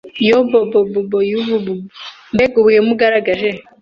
Yobobooo! yubububuuu Mbega ubuhemu ugaragaje